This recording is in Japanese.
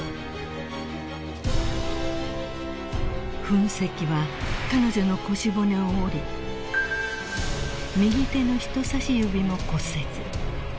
［噴石は彼女の腰骨を折り右手の人さし指も骨折］